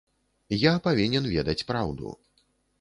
Я павінен ведаць праўду.